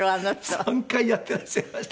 ３回やってらっしゃいました。